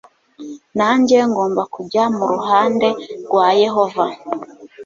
nanjye ngomba kujya mu ruhande rwa yehova